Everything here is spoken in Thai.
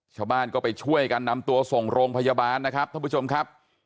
ชาวบ้านก็ไปช่วยกันนำตัวส่งโรงพยาบาลนะครับท่านผู้ชมครับ